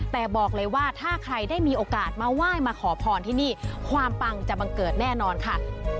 แต่บอกเลยว่าถ้าใครได้มีโอกาสมาไหว้มาขอพรที่นี่ความปังจะบังเกิดแน่นอนค่ะ